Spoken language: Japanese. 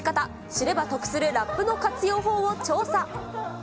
知れば得するラップの活用法を調査。